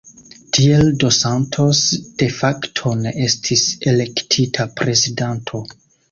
Tiel dos Santos de facto ne estis elektita prezidanto.